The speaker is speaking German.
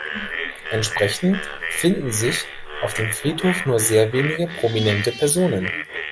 Entsprechend finden sich auf dem Friedhof nur sehr wenige prominente Personen.